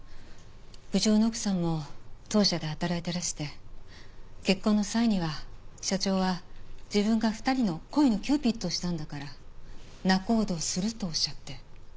部長の奥さんも当社で働いてらして結婚の際には社長は自分が２人の恋のキューピッドをしたんだから仲人をするとおっしゃって。